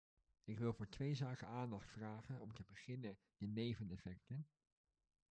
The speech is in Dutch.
Ik wil voor twee zaken aandacht vragen, om te beginnen de neveneffecten.